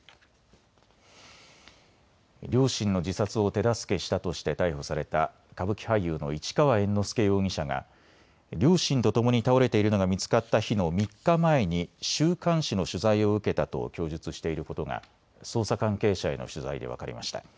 両親の自殺を手助けしたとして逮捕された歌舞伎俳優の市川猿之助容疑者が両親とともに倒れているのが見つかった日の３日前に週刊誌の取材を受けたと供述していることが捜査関係者への取材で分かりました。